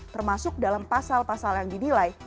termasuk dalam pasal pasal yang dinilai